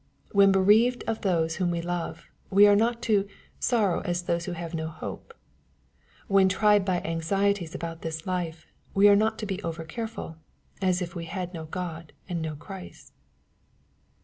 When bereaved of those whom we love, we are not to "sorrow as those who have no hope." When tried by anxieties about this life, we are not to be over careful, as if we had no God, and no Christ.